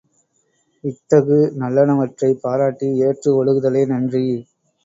இத்தகு நல்லனவற்றைப் பாராட்டி ஏற்று ஒழுகுதலே நன்றி.